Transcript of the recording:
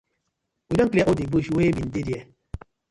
We don clear all di bush wey been dey dere.